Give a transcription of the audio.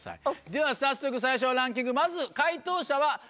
では早速最初のランキング。